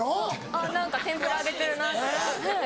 あっ何か天ぷら揚げてるなとか。